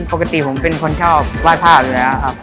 ปกติผมเป็นคนชอบวาดภาพเลยครับ